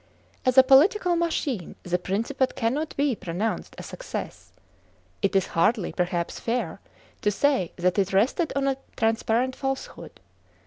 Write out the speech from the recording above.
As a political machine, the Principate cannot be pronounced a success. It is hardly, perhaps, fair to say that it rested on a transparent falsehood.